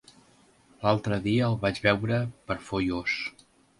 L'altre dia el vaig veure per Foios.